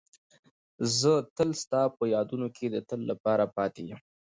زه تل ستا په یادونو کې د تل لپاره پاتې یم.